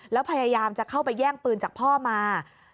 แล้วพยายามจะเข้าไปแย่งปืนจากพ่อมา